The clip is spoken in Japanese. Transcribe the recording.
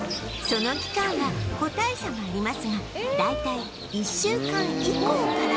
その期間は個体差がありますが大体１週間以降から